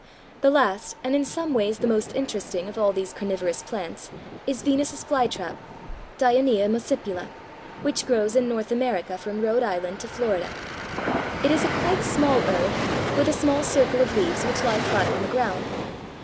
The last, and in some ways the most interesting, of all these carnivorous plants is Venus' Fly trap (Dionæa muscipula), which grows in North America from Rhode Island to Florida. It is a quite small herb with a small circle of leaves which lie flat on the ground.